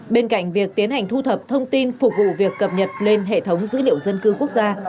bên cạnh việc tiến hành thu thập thông tin phục vụ việc cập nhật lên hệ thống dữ liệu dân cư quốc gia